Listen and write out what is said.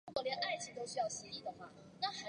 美洲攀鼠属等之数种哺乳动物。